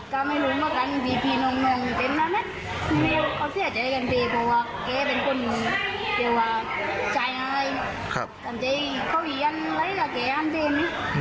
เกี่ยวว่าชายงานไงทำให้เขาอีกอันไหลละแกอันเป็น